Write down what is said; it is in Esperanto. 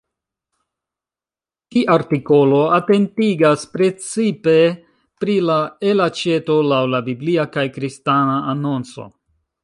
Ĉi artikolo atentigas precipe pri la elaĉeto laŭ la biblia kaj kristana anonco.